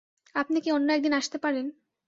আপনি কি অন্য একদিন আসতে পারেন?